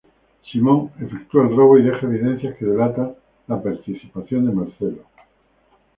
Simone efectúa el robo y deja evidencias que delatan la participación de Marcello.